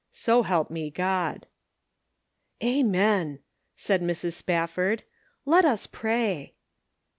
So help me God." " Amen," said Mrs. Spafford. " Let us pray."